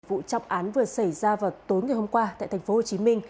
vụ trọng án vừa xảy ra vào tối ngày hôm qua tại tp hcm